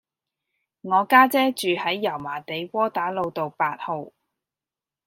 我家姐住喺油麻地窩打老道八號